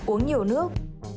uống nhiều nước